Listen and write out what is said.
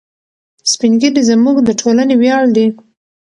سپین ږیري زموږ د ټولنې ویاړ دي.